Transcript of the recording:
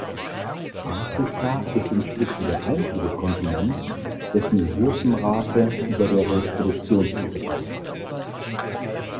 Afrika ist inzwischen der einzige Kontinent, dessen Geburtenrate über der Reproduktionsziffer liegt.